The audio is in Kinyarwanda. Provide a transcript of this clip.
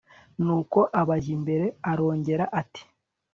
nuko abajya imbere. arongera ati